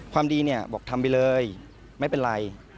ความดีเนี่ยบอกทำไปเลยไม่เป็นไร